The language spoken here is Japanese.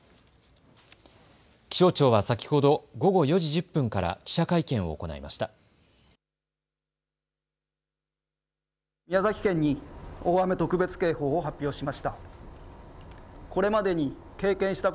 気象庁は先ほど午後４時１０分から記者会見を行いました。